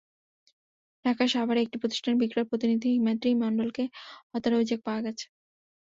ঢাকার সাভারে একটি প্রতিষ্ঠানের বিক্রয় প্রতিনিধি হিমাদ্রী মণ্ডলকে হত্যার অভিযোগ পাওয়া গেছে।